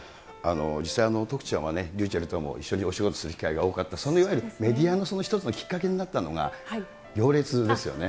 実際、徳ちゃんはね、ｒｙｕｃｈｅｌｌとも一緒にお仕事する機会が多かった、メディアのその一つのきっかけになったのが、行列ですよね。